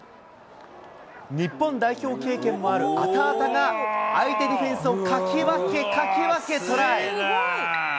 日本代表経験もあるアタアタが、相手ディフェンスをかき分けかき分け、トライ。